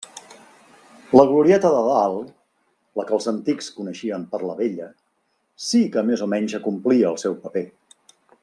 La glorieta de dalt, la que els antics coneixien per la Vella, sí que més o menys acomplí el seu paper.